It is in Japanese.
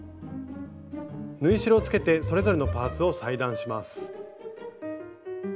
縫い代をつけてそれぞれのパーツを裁断します。